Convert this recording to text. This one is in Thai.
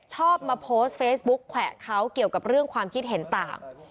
ชอบมาโพสต์เฟซบุ๊กแขวะเขาเกี่ยวกับเรื่องความคิดเห็นต่าง